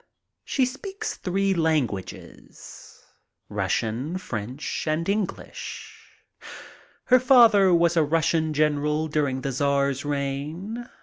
She speaks three languages — Russian, French, and English. Her father was a Russian general during the Czar's reign.